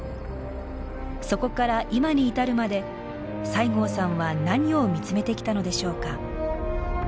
そこから今に至るまで西郷さんは何を見つめてきたのでしょうか？